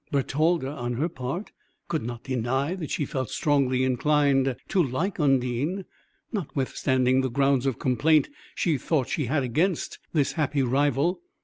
Bertalda, on her part, could not deny that she felt strongly inclined to like Undine, notwithstanding the grounds of complaint she thought she had against this happy rival.